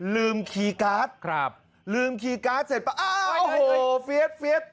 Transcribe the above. ลืมคีย์การ์ดครับลืมคีย์การ์ดเสร็จปะอ้าวโอ้โหเฟียสเฟียส